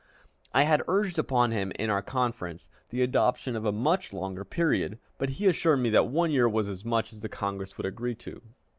I had urged upon him, in our conference, the adoption of a much longer period, but he assured me that one year was as much as the Congress would agree to.